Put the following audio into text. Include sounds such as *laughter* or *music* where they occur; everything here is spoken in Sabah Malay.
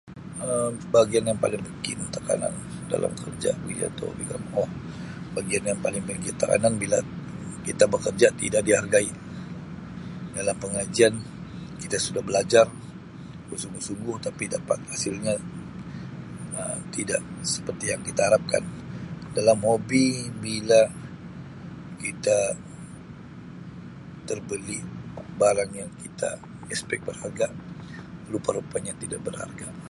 "Um Bagian yang paling bikin tekanan dalam kerja. *unintelligible* Bagian yang paling bikin tekanan bila kita bekerja tidak dihargai, dalam pengajian kita sudah belajar bersungguh-sungguh tapi dapat hasilnya Um tidak seperti yang kita harapkan, dalam hobi bila kita terbeli barang yang kita ""expect"" berharga rupa-rupanya tidak berharga. "